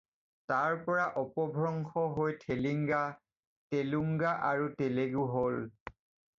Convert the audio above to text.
তাৰ পৰা অপভ্ৰংশ হৈ থেলিংগা, তেলুংগা আৰু তেলুগু হ'ল।